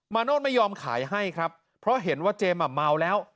โนธไม่ยอมขายให้ครับเพราะเห็นว่าเจมส์อ่ะเมาแล้ว